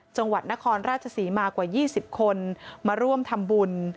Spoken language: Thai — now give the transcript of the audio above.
จังหวัดนครราชศรีมากว่า๒๐คนมาร่วมทำบุญ